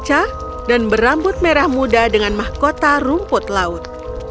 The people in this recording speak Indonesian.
dia berkulit kacau dan berambut merah muda dengan mahkota rumput laut